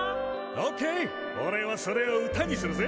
オッケーおれはそれを歌にするぜ。